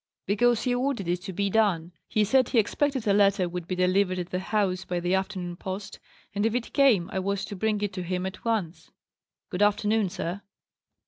"Because he ordered it to be done. He said he expected a letter would be delivered at the house by the afternoon post, and if it came I was to bring it to him at once. Good afternoon, sir."